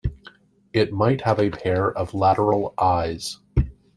It might have a pair of lateral eyes.